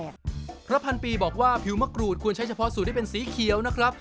พระพันปีบอกว่าผิวมะกรูดควรใช้เฉพาะสูตรที่เป็นสีเขียวนะครับ